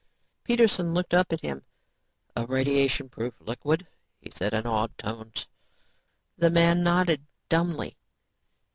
Peterson looked up at him. "A radiation proof liquid," he said in awed tones. The other man nodded dumbly.